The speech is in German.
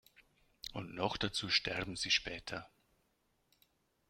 Und noch dazu sterben sie später.